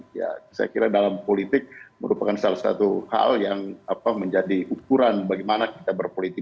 saya kira dalam politik merupakan salah satu hal yang menjadi ukuran bagaimana kita berpolitik